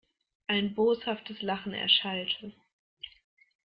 Ein boshaftes Lachen erschallte.